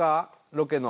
ロケの」